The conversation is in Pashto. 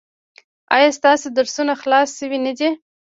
ایا ستاسو درسونه خلاص شوي نه دي؟